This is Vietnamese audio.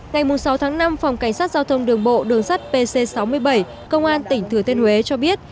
ngày sáu tháng năm phòng cảnh sát giao thông đường bộ đường sắt pc sáu mươi bảy công an tỉnh thừa thiên huế cho biết